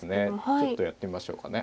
ちょっとやってみましょうかね。